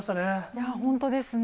いや、本当ですね。